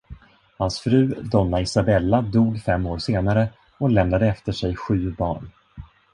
Hans fru, Donna Isabella dog fem år senare och lämnade efter sig sju barn.